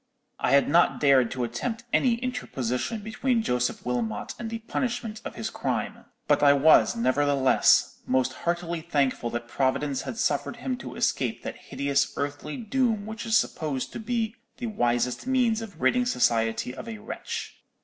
I had not dared to attempt any interposition between Joseph Wilmot and the punishment of his crime; but I was, nevertheless, most heartily thankful that Providence had suffered him to escape that hideous earthly doom which is supposed to be the wisest means of ridding society of a wretch.